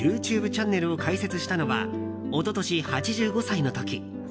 ＹｏｕＴｕｂｅチャンネルを開設したのは一昨年、８５歳の時。